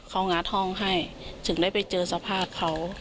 เขางัดห้องให้ถึงได้ไปเจอสภาพเขา